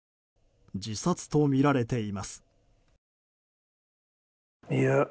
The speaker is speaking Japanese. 自殺とみられています。